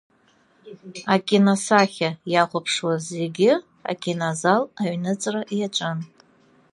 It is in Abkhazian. Акиносахьа иахәаԥшуаз зегьы акинозал аҩныҵра иаҿын.